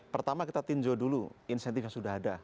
pertama kita tinjau dulu insentif yang sudah ada